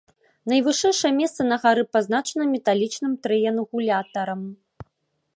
Найвышэйшае месца на гары пазначана металічным трыянгулятарам.